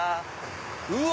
うわ！